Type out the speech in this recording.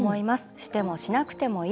してもしなくてもいい。